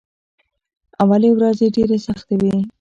اولې ورځې ډېرې سختې وې.